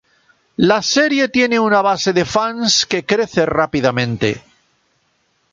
La serie tiene una base de fans que crece rápidamente.